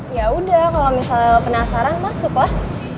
ya udah kalau misalnya penasaran masuk lah